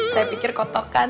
saya pikir kotokan